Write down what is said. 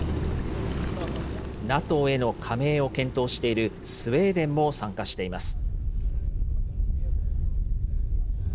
ＮＡＴＯへの加盟を検討しているスウェーデンも参加しています。